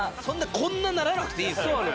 そんなこんなにならなくていいですよ。